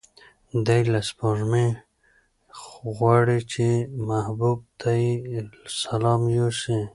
دی له سپوږمۍ غواړي چې محبوب ته یې سلام یوسي.